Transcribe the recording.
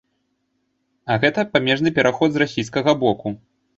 А гэта памежны пераход з расійскага боку.